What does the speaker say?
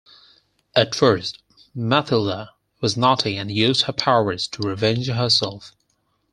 At first, Matilda was naughty and used her powers to revenge herself.